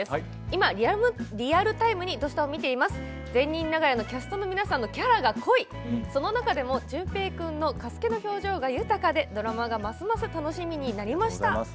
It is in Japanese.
今、リアルタイムで「土スタ」を見ています「善人長屋」のキャストの皆さんのその中でも淳平君の加助の表情が豊かでドラマがますます楽しみになりました。